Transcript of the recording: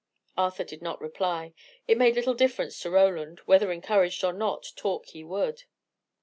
Arthur did not reply. It made little difference to Roland: whether encouraged or not, talk he would.